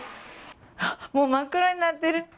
もう真っ黒になってる。